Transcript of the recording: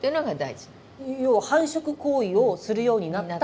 要は繁殖行為をするようになった？